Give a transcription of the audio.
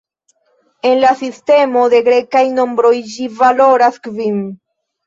En la sistemo de grekaj nombroj ĝi valoras kvin.